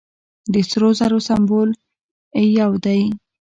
د سرو زرو سمبول ای یو دی.